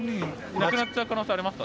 なくなっちゃう可能性ありますか？